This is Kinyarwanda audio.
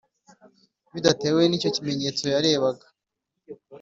bidatewe n’icyo kimenyetso yarebaga,